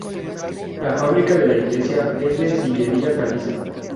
La fábrica de la iglesia es de sillería caliza.